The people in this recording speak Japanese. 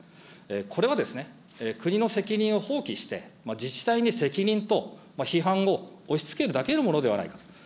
これは、国の責任を放棄して、自治体に責任と批判を押しつけるだけのものではないかと。